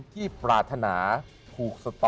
ที่ปรารถนาถูกหยุด